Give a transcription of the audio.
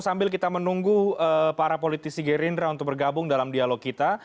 sambil kita menunggu para politisi gerindra untuk bergabung dalam dialog kita